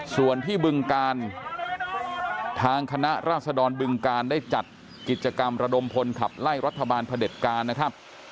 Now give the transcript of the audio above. ส่วนที่บึงการทางคณะราษดรบึงการได้จัดกิจกรรมระดมพลขับไล่รัฐบาลพระเด็จการนะครับ